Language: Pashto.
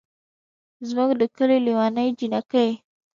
زمونږ ده کلي لېوني جينکۍ